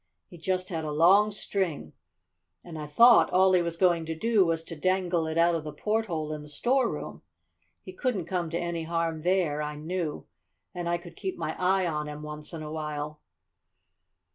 He just had a long string, and I thought all he was going to do was to dangle it out of the porthole in the storeroom. He couldn't come to any harm there, I knew, and I could keep my eye on him once in a while."